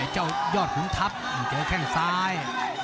เจ้ายอดขุมทัพเจ้าแข้งซ้าย